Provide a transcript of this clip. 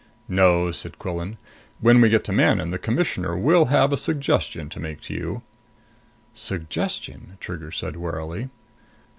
"No," said Quillan. "When we get to Manon, the Commissioner will have a suggestion to make to you." "Suggestion?" Trigger said warily.